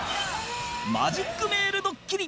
マジックメールドッキリ